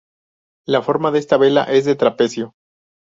La forma de esta vela es de trapecio.